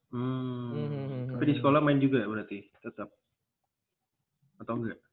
hmm tapi di sekolah main juga berarti tetap atau enggak